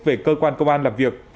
về cơ quan công an làm việc